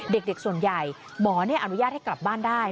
เด็กส่วนใหญ่หมออนุญาตให้กลับบ้านได้